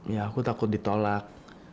iya aku takut ditolak